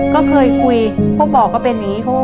ก็เคยคุยเขาบอกว่าเป็นอย่างนี้